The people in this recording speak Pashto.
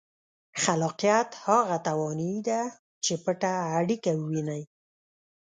خلاقیت هغه توانایي ده چې پټه اړیکه ووینئ.